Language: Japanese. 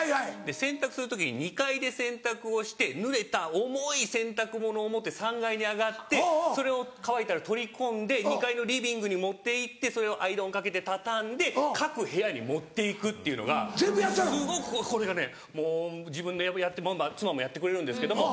洗濯する時に２階で洗濯をしてぬれた重い洗濯物を持って３階に上がってそれを乾いたら取り込んで２階のリビングに持っていってそれをアイロンかけて畳んで各部屋に持っていくっていうのがすごくこれがねもう自分でやって妻もやってくれるんですけども。